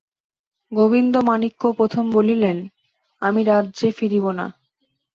গোবিন্দমাণিক্য প্রথমে বলিলেন, আমি রাজ্যে ফিরিব না।